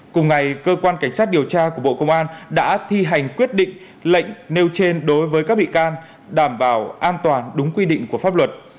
cùng ngày cơ quan cảnh sát điều tra của bộ công an đã thi hành quyết định lệnh nêu trên đối với các bị can đảm bảo an toàn đúng quy định của pháp luật